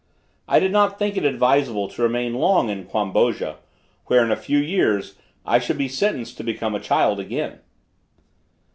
I did not think it advisable to remain long in Quamboja, where in a few years, I should be sentenced to become a child again.